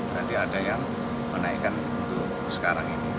berarti ada yang menaikkan untuk sekarang ini